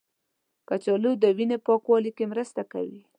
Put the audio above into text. کچالو د وینې پاکوالي کې مرسته کوي.